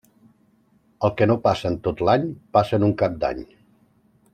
El que no passa en tot l'any, passa en un cap d'any.